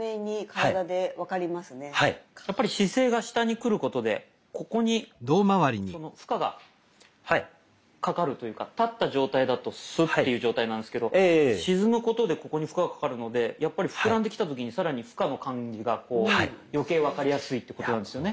やっぱり姿勢が下にくることでここに負荷がかかるというか立った状態だとスッていう状態なんですけど沈むことでここに負荷がかかるのでやっぱり膨らんできた時に更に負荷の感じがこう余計分かりやすいってことなんですよね。